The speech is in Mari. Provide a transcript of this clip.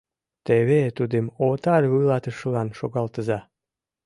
Теве тудым отар вуйлатышылан шогалтыза.